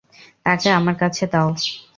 তাকে আমার কাছে দাও।